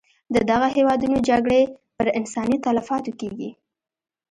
د دغه هېوادونو جګړې پر انساني تلفاتو کېږي.